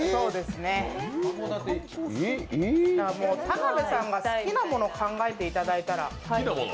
田辺さんが好きなものを考えていただいたら。